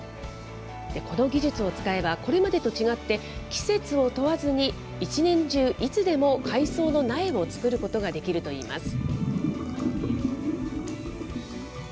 この技術を使えば、これまでと違って、季節を問わずに、１年中いつでも海藻の苗を作ることができるといいます。